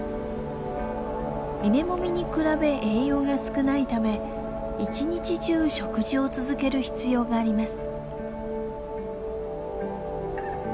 稲もみに比べ栄養が少ないため一日中食事を続ける必要があります。